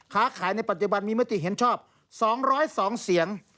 ค้าขายในปัจจุบันมีมติเห็นชอบ๒๐๒เสียง